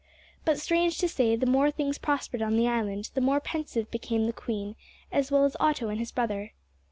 But, strange to say, the more things prospered on the island, the more pensive became the queen, as well as Otto and his brother.